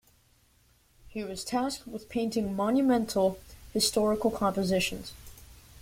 He was tasked with painting monumental, historical compositions.